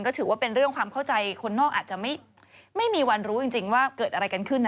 ก็ถือว่าเป็นเรื่องความเข้าใจคนนอกอาจจะไม่มีวันรู้จริงว่าเกิดอะไรกันขึ้นนะ